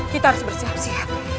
kita harus bersiap siap